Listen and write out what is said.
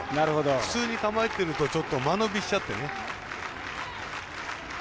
普通に構えてるとちょっと間延びしちゃってね。